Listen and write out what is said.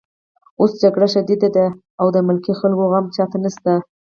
اوس جګړه شدیده ده او د ملکي خلکو غم چاته نشته